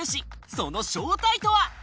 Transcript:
その正体とは？